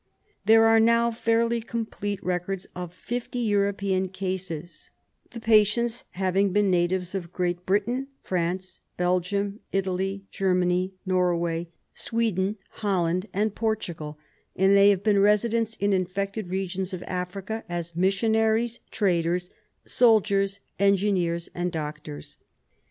There are now fairly complete records of fifty European cases, the patients having been natives of Great Britain, France, Belgium, Italy, Germany, Norway, Sweden, Hoi SLEEPING SICKNESS 27 land and Portugal, and they had been residents in infected regions of Africa as missionaries, traders, soldiers, engineers and doctors.